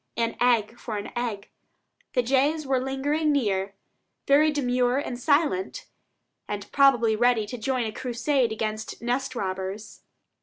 An egg for an egg. The jays were lingering near, very demure and silent, and probably ready to join a crusade against nest robbers.